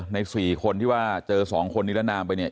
ใน๔คนที่ว่าเจอ๒คนนี้แล้วนามไปเนี่ย